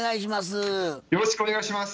よろしくお願いします。